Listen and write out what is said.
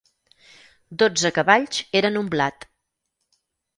Dotze cavalls eren un blat.